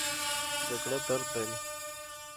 جګړه درد لري